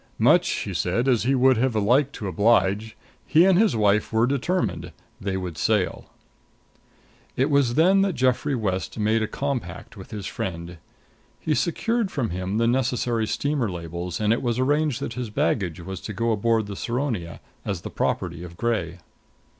Much, he said, as he would have liked to oblige, he and his wife were determined. They would sail. It was then that Geoffrey West made a compact with his friend. He secured from him the necessary steamer labels and it was arranged that his baggage was to go aboard the Saronia as the property of Gray.